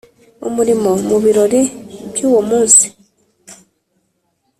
Umurimo mu birori by uwo munsi